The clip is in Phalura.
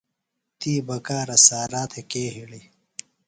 تی بکارہ سارا تھےۡ کے ہِڑی؟